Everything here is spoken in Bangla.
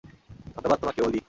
ধন্যবাদ তোমাকে, ওলি!